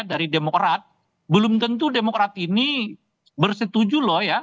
dari demokrat belum tentu demokrat ini bersetuju loh ya